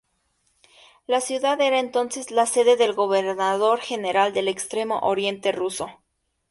La ciudad era entonces la sede del Gobernador General de Extremo Oriente ruso.